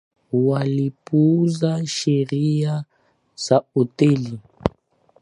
Walipuuza sheria za hoteli